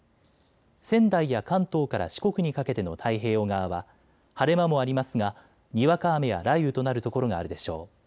仙台や関東から四国にかけての太平洋側は晴れ間もありますがにわか雨や雷雨となるところがあるでしょう。